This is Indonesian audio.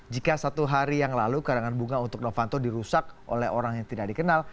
jika satu hari yang lalu karangan bunga untuk novanto dirusak oleh orang yang tidak dikenal